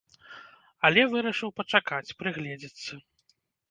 Але вырашыў пачакаць, прыгледзецца.